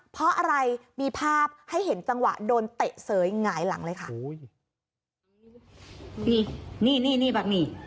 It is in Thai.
เพราะอะไรมีภาพให้เห็นจังหวะโดนเตะเสยหงายหลังเลยค่ะ